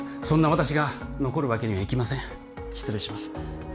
そんな私が残るわけにはいきません失礼します